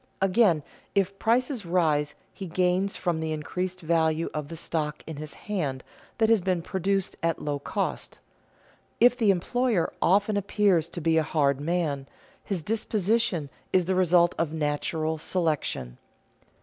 Again, if prices rise, he gains from the increased value of the stock in his hand that has been produced at low cost. If the employer often appears to be a hard man, his disposition is the result of "natural selection."